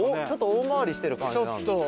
ちょっと大回りしてる。